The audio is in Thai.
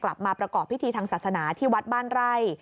กลับมาประกอบพิธีทางศาสนาที่วัดบ้านไร่